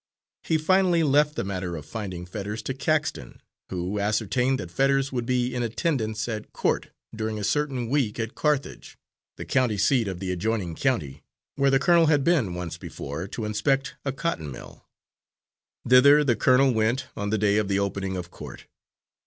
He finally left the matter of finding Fetters to Caxton, who ascertained that Fetters would be in attendance at court during a certain week, at Carthage, the county seat of the adjoining county, where the colonel had been once before to inspect a cotton mill. Thither the colonel went on the day of the opening of court.